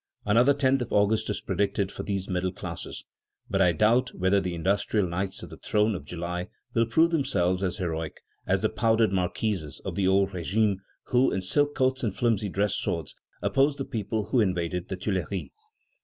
Another 10th of August is predicted for these middle classes; but I doubt whether the industrial Knights of the throne of July will prove themselves as heroic as the powdered marquises of the old régime who, in silk coats and flimsy dress swords, opposed the people who invaded the Tuileries."